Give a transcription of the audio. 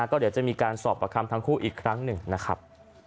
ก็เดี๋ยวจะมีการสอบประคำทั้งคู่อีกครั้งหนึ่งนะครับ